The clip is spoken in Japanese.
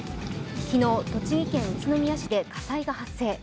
昨日栃木県宇都宮市で火災が発生。